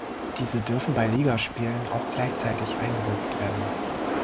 Diese dürfen bei Ligaspielen auch gleichzeitig eingesetzt werden.